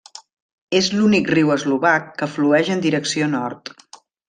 És l'únic riu eslovac que flueix en direcció nord.